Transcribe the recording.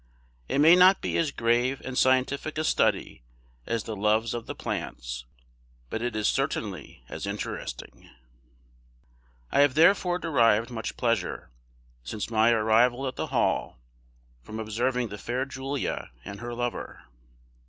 It may not be as grave and scientific a study as the loves of the plants, but it is certainly as interesting. I have therefore derived much pleasure, since my arrival at the Hall, from observing the fair Julia and her lover.